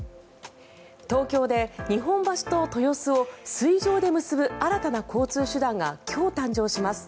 東京で、日本橋と豊洲を水上で結ぶ新たな交通手段が今日、誕生します。